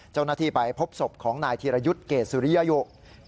เจ้าหน้าที่ไปพบศพของนายธีรยุทธ์เกรดสุริยยุ